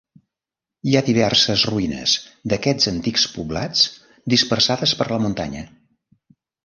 Hi ha diverses ruïnes d'aquests antics poblats dispersades per la muntanya.